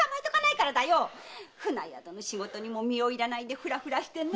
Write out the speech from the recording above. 舟宿の仕事にも身を入れないでフラフラして！